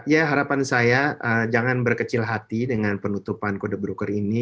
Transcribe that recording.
ya harapan saya jangan berkecil hati dengan penutupan kode broker ini